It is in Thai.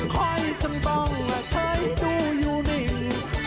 ใครจำต้องอาจใช้ดูอยู่นิ่ง